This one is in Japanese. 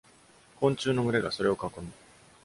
昆虫の群れがそれを囲む。